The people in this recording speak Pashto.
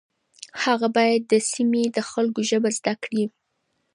هغه باید د سیمې د خلکو ژبه زده کړي.